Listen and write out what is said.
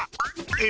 え？